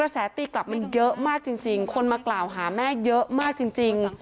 แสตีกลับมันเยอะมากจริงคนมากล่าวหาแม่เยอะมากจริง